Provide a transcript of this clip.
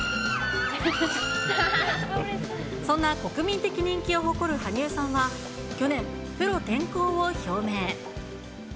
そんな国民的人気を誇る羽生さんは去年、プロ転向を表明。